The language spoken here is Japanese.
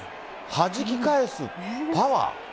はじき返すパワー。